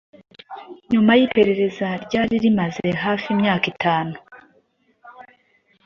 nyuma y’iperereza ryari rimaze hafi imyaka itanu,